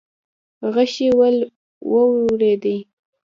غشې وورېدې.